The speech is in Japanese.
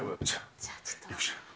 じゃあちょっと。